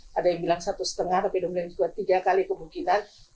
kalau ada yang bilang satu lima tapi dua tiga kali kemungkinan